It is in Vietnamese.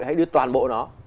hay đưa toàn bộ nó